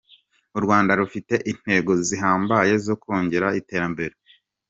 U Rwanda rufite intego zihambaye zo kongera iterambere.